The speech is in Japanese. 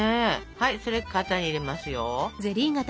はいそれ型に入れますよ。